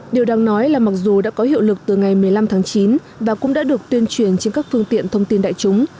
điều đáng nói là mặc dù đã có hiệu lực từ ngày một mươi năm tháng chín và cũng đã được tuyên truyền trên các phương tiện thông tin đại chúng